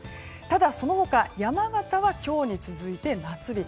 ただその他、山形は今日に続いて夏日。